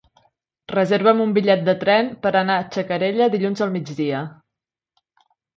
Reserva'm un bitllet de tren per anar a Xacarella dilluns al migdia.